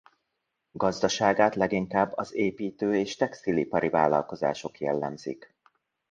Gazdaságát leginkább az építő- és textilipari vállalkozások jellemzik.